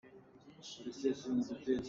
Nizaan ah ngaknu no pakhat aa chawnh ka hmuh.